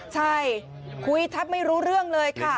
ใช่คุยแทบไม่รู้เรื่องเลยค่ะ